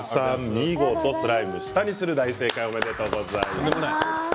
見事スライムを下にする、大正解おめでとうございます。